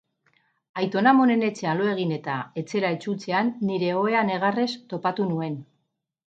Aiton-amonen etxean lo egin eta etxera itzultzean nire ohea negarrez topatu nuen.